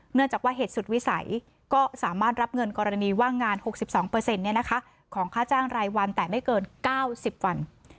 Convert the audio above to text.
เนื่องจากว่าเหตุสุดวิสัยก็สามารถรับเงินกรณีว่างงาน๖๒ของค่าจ้างรายวันแต่ไม่เกิน๙๐วัน